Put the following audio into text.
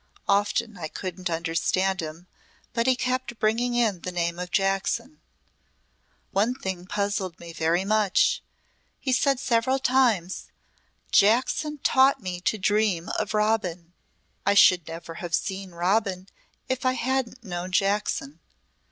Often I couldn't understand him, but he kept bringing in the name of Jackson. One thing puzzled me very much. He said several times 'Jackson taught me to dream of Robin. I should never have seen Robin if I hadn't known Jackson.'